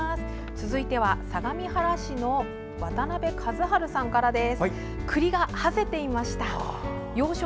続いては相模原市の渡邊一春さんからです。